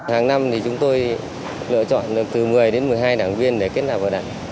hàng năm thì chúng tôi lựa chọn từ một mươi đến một mươi hai đảng viên để kết nạp vào đảng